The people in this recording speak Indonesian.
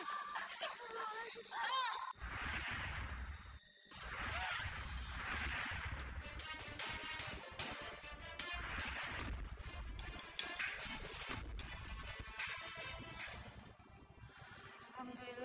lupa tak newsletter